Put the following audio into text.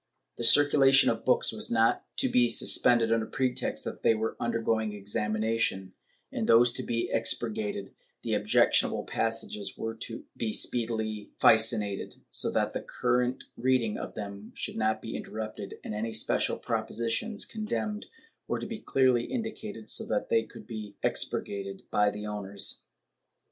The circulation of books was not to be suspended under pretext that they were undergoing examination ; in those to be expurgated the objectionable passages were to be speedily designated, so that the ciu rent reading of them should not be interrupted, and any special propositions condemned were to be clearly indicated, so that they could be expurgated by the owners.